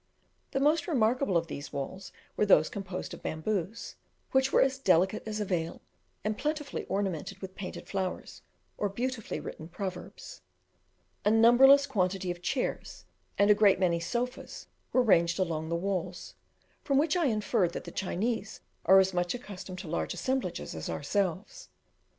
The most remarkable of these walls were those composed of bamboos, which were as delicate as a veil, and plentifully ornamented with painted flowers, or beautifully written proverbs. A numberless quantity of chairs and a great many sofas were ranged along the walls, from which I inferred that the Chinese are as much accustomed to large assemblages as ourselves.